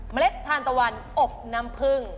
เล็ดทานตะวันอบน้ำผึ้ง